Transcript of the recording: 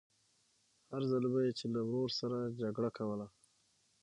هر ځل به يې چې له ورور سره جګړه کوله.